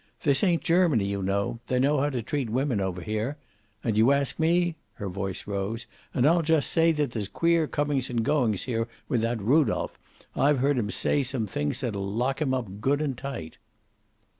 "This ain't Germany, you know. They know how to treat women over here. And you ask me" her voice rose "and I'll just say that there's queer comings and goings here with that Rudolph. I've heard him say some things that'll lock him up good and tight."